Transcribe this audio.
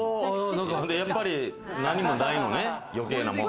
やっぱり何もないのね、余計なものが。